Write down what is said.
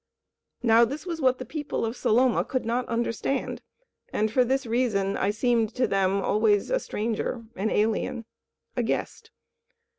Now this was what the people of Saloma could not understand, and for this reason I seemed to them always a stranger, an alien, a guest.